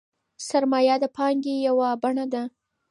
سرمایه د پانګې یوه بڼه ده.